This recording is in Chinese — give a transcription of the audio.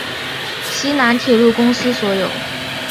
西南铁路公司所有。